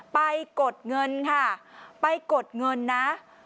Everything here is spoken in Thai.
กดเงินค่ะไปกดเงินนะ